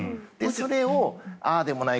それをああでもない